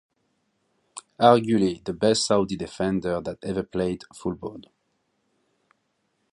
Arguably, the best Saudi defender that ever played football.